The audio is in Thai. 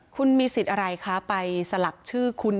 คุณมีสิทธิ์อะไรคะไปสลับชื่อคุณ